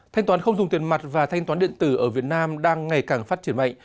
thanh toán không dùng tiền mặt và thanh toán điện tử ở việt nam đang ngày càng phát triển mạnh